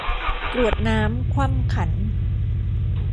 กรวดน้ำคว่ำขัน